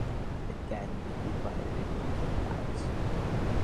It can be divided into four types.